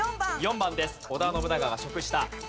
織田信長が食した。